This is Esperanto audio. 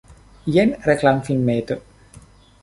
Jen reklamfilmeto.